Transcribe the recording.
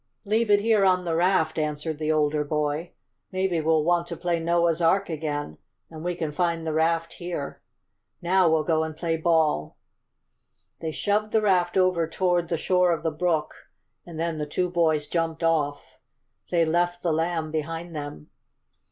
"Leave it here on the raft," answered the older boy. "Maybe we'll want to play Noah's Ark again, and we can find the raft here. Now we'll go and play ball!" They shoved the raft over toward the shore of the brook, and then the two boys jumped off. They left the Lamb behind them.